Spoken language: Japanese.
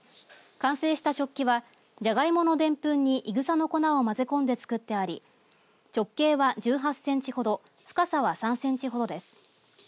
完成した食器はじゃがいものでんぷんにいぐさの粉を混ぜ込んで作ってあり直径は１８センチほど深さは３センチほどです。